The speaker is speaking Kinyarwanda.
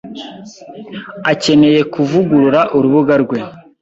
akeneye kuvugurura urubuga rwe.